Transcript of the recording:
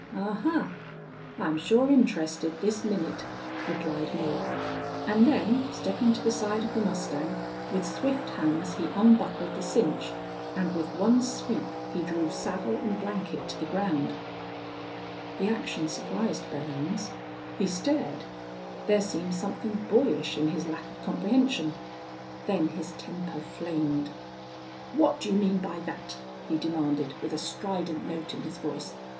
"Ahuh!... I'm sure interested this minute," replied Moore, and then, stepping to the side of the mustang, with swift hands he unbuckled the cinch, and with one sweep he drew saddle and blanket to the ground. The action surprised Belllounds. He stared. There seemed something boyish in his lack of comprehension. Then his temper flamed. "What do you mean by that?" he demanded, with a strident note in his voice.